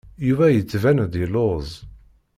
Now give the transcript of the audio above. Yuba yettban-d yelluẓ.